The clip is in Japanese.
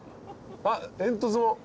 あっ煙突も。